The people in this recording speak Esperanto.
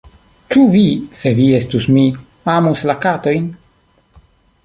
“Ĉu vi, se vi estus mi, amus la katojn?”